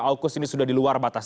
aukus ini sudah di luar batas